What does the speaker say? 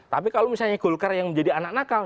tapi kalau misalnya golkar yang menjadi anak nakal